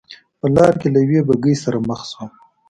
په لار کې له یوې بګۍ سره مخ شوم.